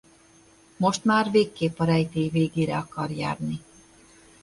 Most már végképp a rejtély végére akar járni.